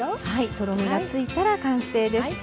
とろみがついたら完成です。